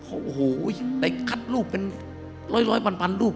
โอ้โหไปคัดรูปเป็นร้อยพันรูป